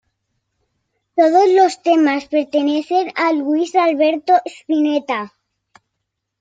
Todos los temas pertenecen a Luis Alberto Spinetta.